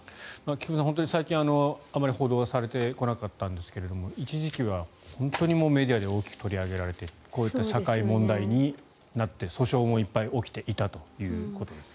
菊間さん、最近あまり報道されてこなかったんですが一時期はメディアで大きく取り上げられてこういった社会問題になって訴訟もいっぱい起きていたということです。